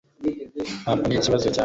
Ntabwo nzi ikibazo cya Toma